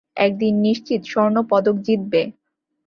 একদিন নিশ্চিত স্বর্ণপদক জিতবে।